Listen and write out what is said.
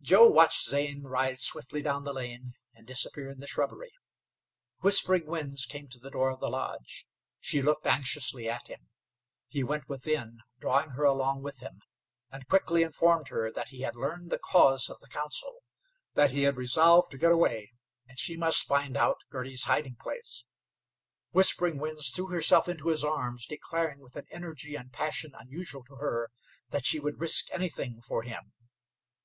Joe watched Zane ride swiftly down the land and disappear in the shrubbery. Whispering Winds came to the door of the lodge. She looked anxiously at him. He went within, drawing her along with him, and quickly informed her that he had learned the cause of the council, that he had resolved to get away, and she must find out Girty's hiding place. Whispering Winds threw herself into his arms, declaring with an energy and passion unusual to her, that she would risk anything for him.